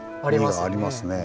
荷がありますね。